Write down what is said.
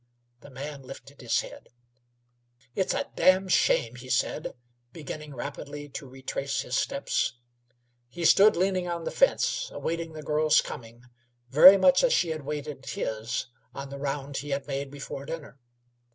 The man lifted his head. "It's a d n shame!" he said, beginning rapidly to retrace his steps. He stood leaning on the fence, awaiting the girl's coming very much as she had waited his on the round he had made before dinner.